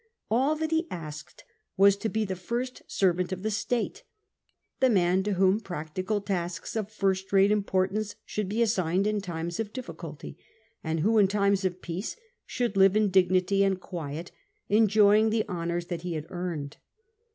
All that he asked was to he the first servant of the state, the mao to whom practical tasks of first rate importance should he assigned in times of difficulty, axid who in times of peace should live in dignity and quiet, enjoying the honours that he had earned.